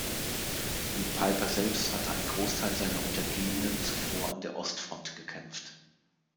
Wie Peiper selbst hatte ein Großteil seiner Untergebenen zuvor an der Ostfront gekämpft.